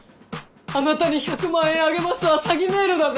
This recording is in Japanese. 「あなたに１００万円あげます」は詐欺メールだぜ？